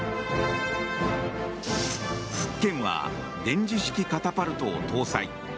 「福建」は電磁式カタパルトを搭載。